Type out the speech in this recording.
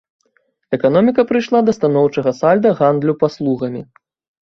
Эканоміка прыйшла да станоўчага сальда гандлю паслугамі.